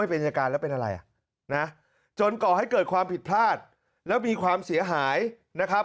เป็นอาการแล้วเป็นอะไรนะจนก่อให้เกิดความผิดพลาดแล้วมีความเสียหายนะครับ